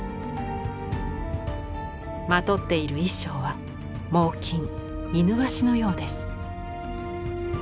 まとっている衣装は猛きんイヌワシのようです。